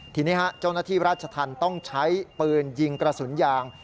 ทีนี้เจ้าหน้าที่ราชธรรมต้องใช้ปืนยิงกระสุนยาง